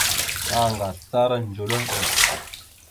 Anga aslara ndzœlœhɓer.